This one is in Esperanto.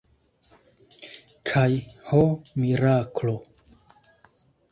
Kaj, ho miraklo!